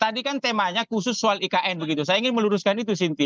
tadi kan temanya khusus soal ikn begitu saya ingin meluruskan itu sintia